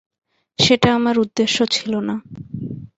সেটা আমার উদ্দ্যেশ্য ছিল না।